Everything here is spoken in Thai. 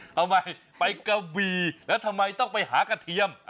ทำไมไปกะบี่แล้วทำไมต้องไปหากระเทียม